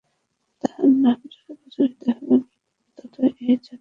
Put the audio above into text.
তাঁহার নাম যতই প্রচারিত হইবে, ততই এই জাতির কল্যাণ।